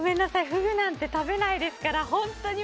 フグなんて食べないですから嘘つけ！